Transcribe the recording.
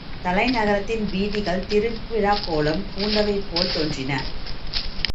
தலைநகரத்தின் வீதிகள் திருவிழாக்கோலம் பூண்டவைபோல் தோன்றின.